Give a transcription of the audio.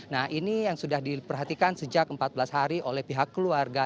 nah ini yang sudah diperhatikan sejak empat belas hari oleh pihak keluarga